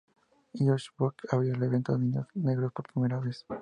Eisenhower abrió el evento a niños negros por primera vez.